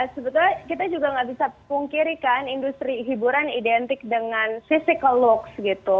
sebetulnya kita juga gak bisa pungkirkan industri hiburan identik dengan physical looks gitu